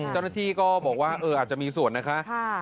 เจ้าหน้าที่ก็บอกว่าอาจจะมีส่วนนะคะ